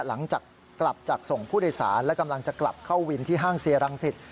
หลังจากกลับจากส่งผู้โดยสารและกำลังจะกลับเข้าวินที่ห้างเซียรังสิต